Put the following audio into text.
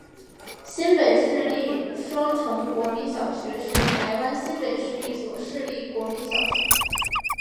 新北市立双城国民小学是台湾新北市一所市立国民小学。